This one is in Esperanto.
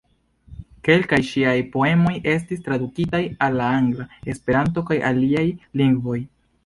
Kelkaj ŝiaj poemoj estis tradukitaj al la angla, Esperanto kaj aliaj lingvoj.